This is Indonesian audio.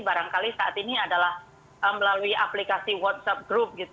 barangkali saat ini adalah melalui aplikasi whatsapp group